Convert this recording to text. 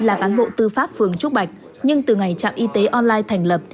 là cán bộ tư pháp phường trúc bạch nhưng từ ngày trạm y tế online thành lập